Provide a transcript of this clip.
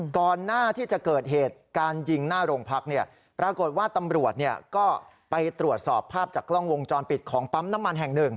ก่อนหน้าที่จะเกิดเหตุการณ์ยิงหน้าโรงพักปรากฏว่าตำรวจก็ไปตรวจสอบภาพจากกล้องวงจรปิดของปั๊มน้ำมันแห่งหนึ่ง